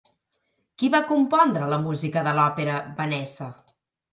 Qui va compondre la música de l'òpera Vanessa?